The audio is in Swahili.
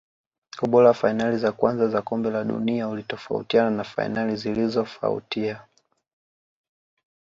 ubora wa fainali za kwanza za kombe la dunia ulitofautiana na fainali zilizofautia